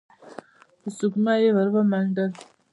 په سږمه يې ور ومنډل.